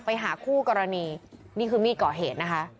ไปหาคู่กรณีนี่คือมีดก่อเหตุนะคะ